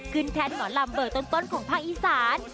ขึ้นแค่หนอลำเบอร์ต้นของภาคอีซาน